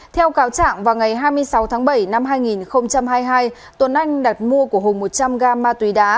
theo cáo trạng vào ngày hai mươi sáu tháng bảy năm hai nghìn hai mươi hai tuấn anh đặt mua của hùng một trăm linh gam ma túy đá